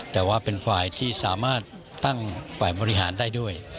แต่ว่าเป็นฝ่ายที่สามารถตั้งฝ่ายบริหารได้ด้วย